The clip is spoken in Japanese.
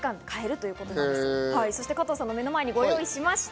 加藤さんの目の前にご用意しました。